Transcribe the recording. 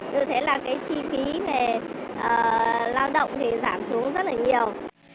như thế là chi phí về lao động giảm xuống rất nhiều